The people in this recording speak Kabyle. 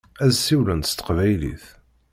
Ad siwlent s teqbaylit.